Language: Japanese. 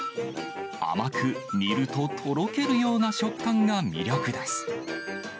甘く、煮るととろけるような食感が魅力です。